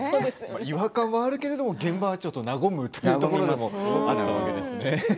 違和感はあるけれども現場は和むというところでもあったわけですね。